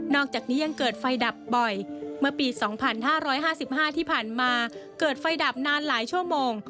อกจากนี้ยังเกิดไฟดับบ่อยเมื่อปี๒๕๕๕ที่ผ่านมาเกิดไฟดับนานหลายชั่วโมง